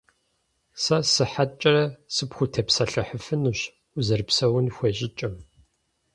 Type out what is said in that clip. Сэ сыхьэткӀэрэ сыпхутепсэлъыхьыфынущ узэрыпсэун хуей щӀыкӀэм.